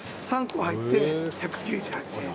３個入って１９８円。